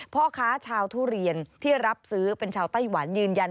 พ่อค้าชาวทุเรียนที่รับซื้อเป็นชาวไต้หวันยืนยัน